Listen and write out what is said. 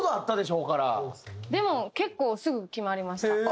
でも結構すぐ決まりました。